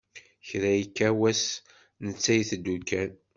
Kra yekka wass netta iteddu kan.